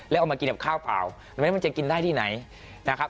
แล้วเอามากินกับข้าวเปล่าไม่งั้นมันจะกินได้ที่ไหนนะครับ